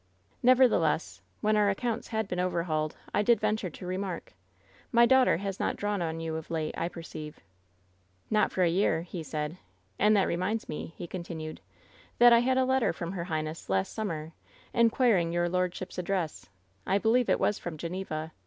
Never theless, when our accounts had been overhauled, I did renture to remark: ii ( «3i£y daughter has not drawn on you of late, I per ceive." u ( "U^ot for a year," he said ; "and that reminds me, he continued, "that I had a letter from her highnesc^ WHEN SHADOWS DIE 205 last summer, inquiring your lordship^s address — ^I be lieve it was from Geneva.